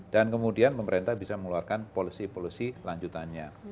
dan kemudian pemerintah bisa mengeluarkan polusi polusi lanjutannya